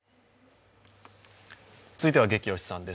続いては「ゲキ推しさん」です